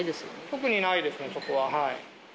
特にないですね、そこは。